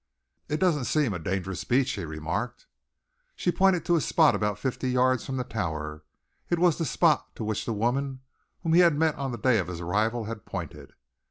"It doesn't seem a dangerous beach," he remarked. She pointed to a spot about fifty yards from the Tower. It was the spot to which the woman whom he had met on the day of his arrival had pointed.